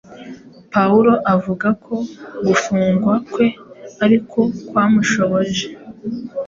Pawulo avuga ko gufungwa kwe ari ko kwamushoboje